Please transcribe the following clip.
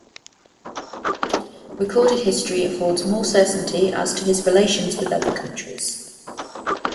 Recorded history affords more certainty as to his relations with other countries.